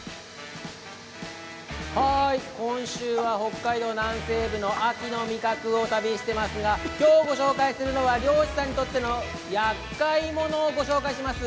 今週は北海道南西部の秋の味覚を旅していますが今日ご紹介するのは漁師さんにとってのやっかい者をご紹介します。